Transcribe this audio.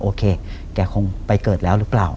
โอเคแกคงไปเกิดแล้วหรือเปล่า